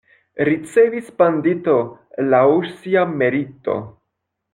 Ricevis bandito laŭ sia merito.